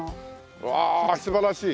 うわ素晴らしい！